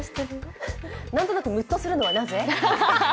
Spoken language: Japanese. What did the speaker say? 何となくムッとするのはなぜ？